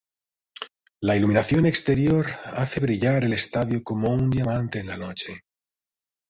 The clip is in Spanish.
La iluminación exterior hace brillar el estadio como un diamante en la noche.